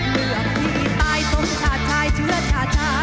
เลือกที่ตายสมชาติชายเชื้อชา